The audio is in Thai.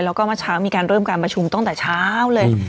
แล้วก็เมื่อเช้ามีการเริ่มการประชุมตั้งแต่เช้าเลย